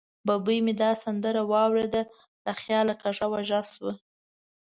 ببۍ مې دا سندره واورېده، له خیاله کږه وږه شوه.